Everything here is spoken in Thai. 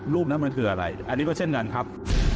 รูปนั้นมันคืออะไรอันนี้ก็เช่นกันครับ